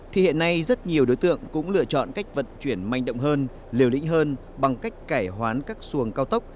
thì hiện nay rất nhiều đối tượng cũng lựa chọn cách vận chuyển manh động hơn liều lĩnh hơn bằng cách cải hoán các xuồng cao tốc